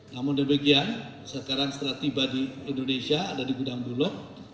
namun di bagian sekarang setelah tiba di indonesia ada di gudang bolo